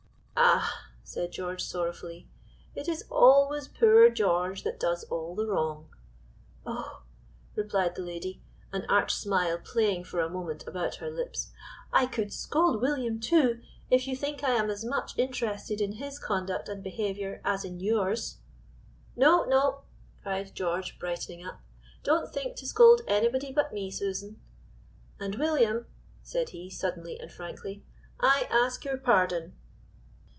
"Ah!" said George, sorrowfully, "it is always poor George that does all the wrong. "Oh!" replied the lady, an arch smile playing for a moment about her lips, "I could scold William, too, if you think I am as much interested in his conduct and behavior as in yours." "No, no!" cried George, brightening up, "don't think to scold anybody but me, Susan; and William," said he, suddenly and frankly, "I ask your pardon."